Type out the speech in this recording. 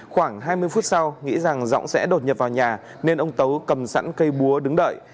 khoảng hai mươi phút sau nghĩ rằng giọng sẽ đột nhập vào nhà nên ông tấu cầm sẵn cây búa đứng đợi